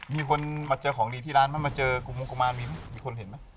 มีคนมาเจอของดีที่ร้านไหมมาเจอกุมงกุมารมีคนเห็นไหม